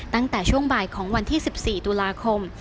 ตั้งแต่ช่วงบ่ายของวันที่๑๔ตุลาคม